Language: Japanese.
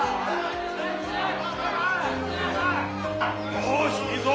よしいいぞ！